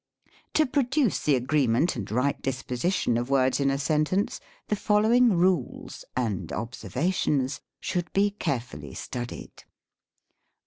To produce the agreement and right disposition of words in a sentence, the following rules (and observa tions ?) should be carefully studied.